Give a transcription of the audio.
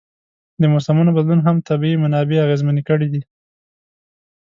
د موسمونو بدلون هم طبیعي منابع اغېزمنې کړي دي.